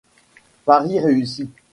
Pari réussi.